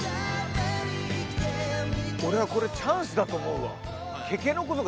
俺はこれチャンスだと思うわ。